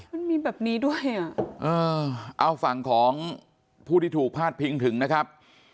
มันมีแบบนี้ด้วยอ่ะเออเอาฝั่งของผู้ที่ถูกพาดพิงถึงนะครับ